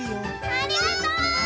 ありがとう！